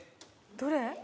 どれ？